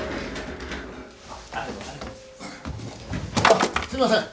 あっすいません。